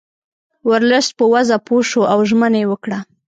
ورلسټ په وضع پوه شو او ژمنه یې وکړه.